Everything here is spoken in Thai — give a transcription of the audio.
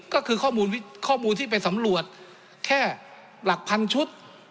ก็คือข้อมูลที่ไปสำรวจแค่หลักพันชุด